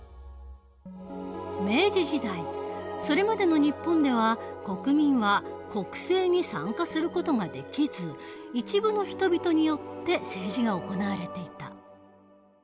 明治時代それまでの日本では国民は国政に参加する事ができず一部の人々によって政治が行われていた。